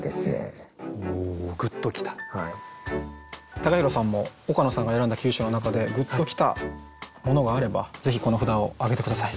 ＴＡＫＡＨＩＲＯさんも岡野さんが選んだ九首の中でグッときたものがあればぜひこの札を挙げて下さい。